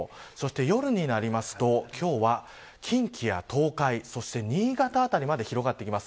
夜になりますと、今日は近畿や東海新潟あたりまで広がってきます。